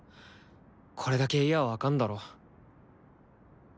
これだけ言や分かんだろ？